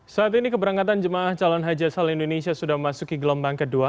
saat ini keberangkatan jemaah calon haji asal indonesia sudah memasuki gelombang kedua